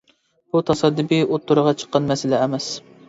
بۇ تاسادىپىي ئوتتۇرىغا چىققان مەسىلە ئەمەس.